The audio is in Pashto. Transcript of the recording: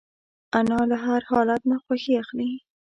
انا له هر حالت نه خوښي اخلي